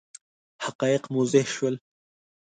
حقایق موضح شول.